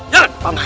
jalan pak man